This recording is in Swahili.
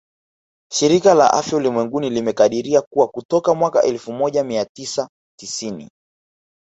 Shirika la Afya Ulimwenguni limekadiria kuwa kutoka mwaka elfu moja mia tisa tisini